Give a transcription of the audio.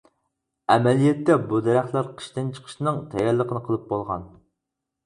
ئەمەلىيەتتە بۇ دەرەخلەر قىشتىن چىقىشنىڭ تەييارلىقىنى قىلىپ بولغان.